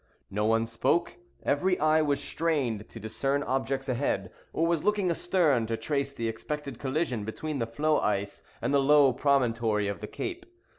No one spoke. Every eye was strained to discern objects ahead, or was looking astern to trace the expected collision between the floe ice and the low promontory of the cape.